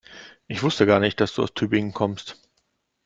Ich wusste gar nicht, dass du aus Tübingen kommst